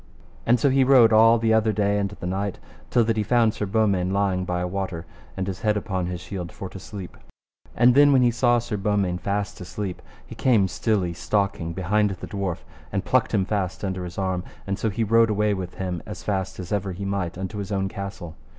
And so he rode all the other day and the night till that he found Sir Beaumains lying by a water, and his head upon his shield, for to sleep. And then when he saw Sir Beaumains fast asleep, he came stilly stalking behind the dwarf, and plucked him fast under his arm, and so he rode away with him as fast as ever he might unto his own castle.